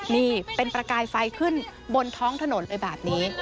นี่เป็นประกายไฟขึ้นบนท้องถนนเลยแบบนี้